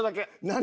何？